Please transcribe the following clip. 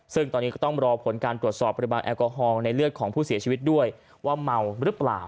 ซึ่งตอนนี้ก็ต้องรอผลการตรวจสอบปริมาณแอลกอฮอล์ในเลือดของผู้เสียชีวิตด้วยว่าเมาหรือเปล่า